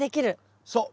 そう。